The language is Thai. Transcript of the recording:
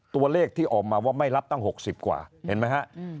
ตัวเลขที่ออกมาว่าไม่รับตั้ง๖๐กว่าเห็นไหมฮะ